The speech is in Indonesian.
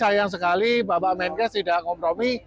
sayang sekali bapak menkes tidak kompromi